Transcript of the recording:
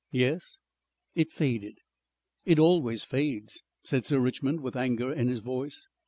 "Yes?" "It faded." "It always fades," said Sir Richmond with anger in his voice.